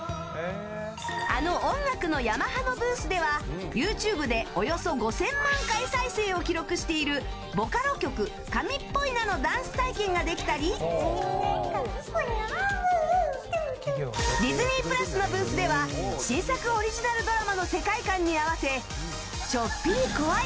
あの音楽のヤマハのブースではＹｏｕＴｕｂｅでおよそ５０００万回再生を記録しているボカロ曲「神っぽいな」のダンス体験ができたりディズニープラスのブースでは新作オリジナルドラマの世界観に合わせちょっぴり怖い